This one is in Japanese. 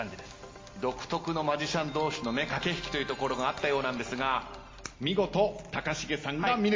独特のマジシャン同士の駆け引きというところがあったようなんですが見事高重さんが見抜きました。